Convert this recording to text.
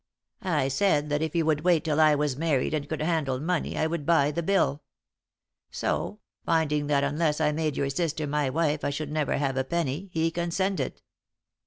I said that if he would wait till I was married and could handle money I would buy the bill. So, finding that unless I made your sister my wife I should never have a penny, he consented."